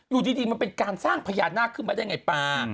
อยู่ดีมันเป็นการสร้างพญานาคขึ้นมาได้ไงป่า